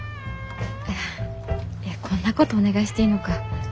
あいやこんなことお願いしていいのか。